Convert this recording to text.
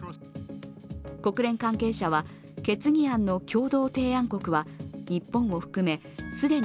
国連関係者は、決議案の共同提案国は